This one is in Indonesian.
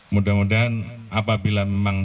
mudah mudahan apabila memang